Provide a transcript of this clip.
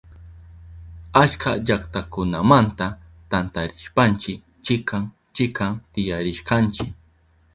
Achka llaktakunamanta tantarishpanchi chikan chikan tiyarishkanchi.